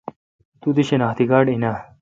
تو دی شناختی کارڈ این اؘ۔